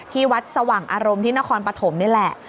ที่วัดสว่างอารมณ์ที่นครปฐมนี่แหละ